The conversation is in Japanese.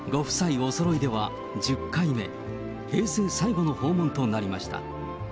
おそろいでは１０回目、平成最後の訪問となりました。